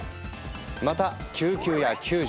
また救急や救助。